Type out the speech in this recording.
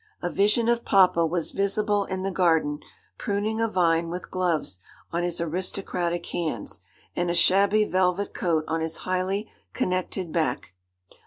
A vision of papa was visible in the garden pruning a vine with gloves on his aristocratic hands, and a shabby velvet coat on his highly connected back.